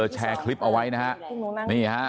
แชร์คลิปเอาไว้นะฮะ